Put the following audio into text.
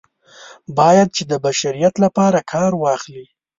باید چې د بشریت لپاره کار واخلي.